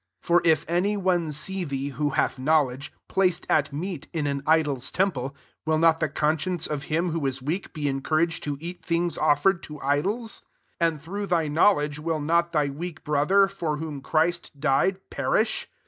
ICf For if any one see who hath knowledge, plf^ai meat in an idol's temple, not the conscience of him is weak be encouraged to things offered to idols ? 11 through thy knowledge will thy weak brother, for Christ died, perish?